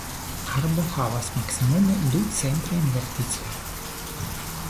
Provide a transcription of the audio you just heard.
Arbo havas maksimume du centrajn verticojn.